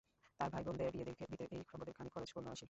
তার ভাই বোনদের বিয়ে দিতে এই সম্পদের খানিক খরচ করলো সে।